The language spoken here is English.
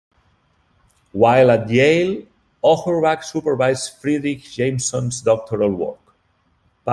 While at Yale, Auerbach supervised Fredric Jameson's doctoral work.